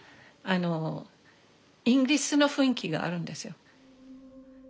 あのイギリスの雰囲気があるんですよ。